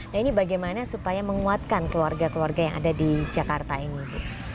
nah ini bagaimana supaya menguatkan keluarga keluarga yang ada di jakarta ini bu